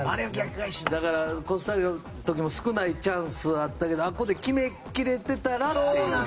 だから、コスタリカの時も少ないチャンスはあったけどあそこで決め切れていたらという。